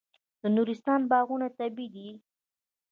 د نورستان باغونه طبیعي دي.